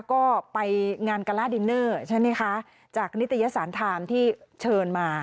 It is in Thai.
ก็ไปงานกาล่าดินเนอร์ใช่ไหมคะจากนิตยสารไทม์ที่เชิญมา